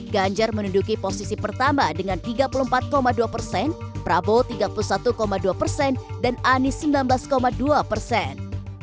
ganjar menuduki posisi pertama dengan tiga puluh empat dua persen prabowo tiga puluh satu dua persen dan anies sembilan belas dua persen